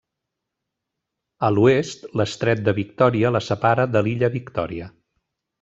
A l'oest l'estret de Victòria la separa de l'illa Victòria.